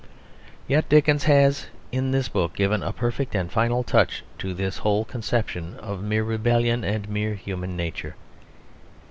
Yet Dickens has in this book given a perfect and final touch to this whole conception of mere rebellion and mere human nature.